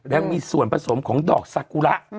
แล้วมีส่วนผสมของดอกสากุระ